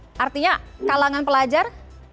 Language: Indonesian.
oke artinya kalangan pelajar